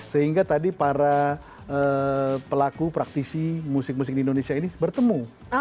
sehingga tadi para pelaku praktisi musik musik di indonesia ini bertemu